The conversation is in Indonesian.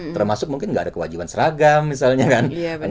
termasuk mungkin nggak ada kewajiban seragam misalnya kan